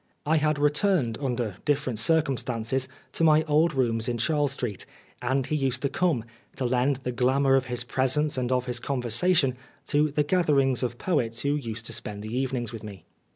I had returned, under different circumstances, to my old rooms in Charles Street, and he used to come, to lend the glamour oi his presence and of his conversation, to the gatherings of poets who used to spend the evenings with me.